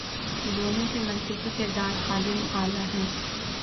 دونوں کے مرکزی کردار خادم اعلی ہیں۔